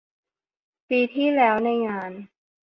ปีที่แล้วในงาน